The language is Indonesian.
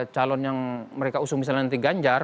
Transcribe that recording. calon yang mereka usung misalnya nanti ganjar